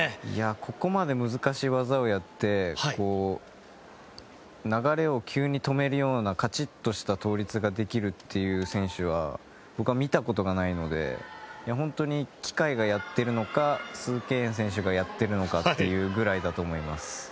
ここまで難しい技をやって流れを急に止めるようなカチッとした倒立ができるという選手は僕は見たことがないので本当に機械がやってるのかスウ・ケイエン選手がやってるのかというぐらいだと思います。